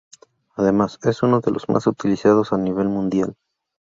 Además, es uno de los más utilizados a nivel mundial.